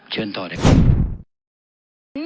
เชิญต่อได้